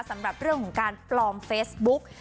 สำหรับเรื่องของการปลอมเฟซบุ๊ก